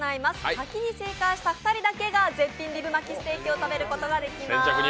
先に正解した２人だけが絶品リブマキステーキを食べることができます。